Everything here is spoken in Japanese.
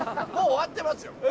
もう終わってますよ。